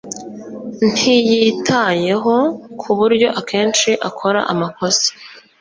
Ntiyitayeho kuburyo akenshi akora amakosa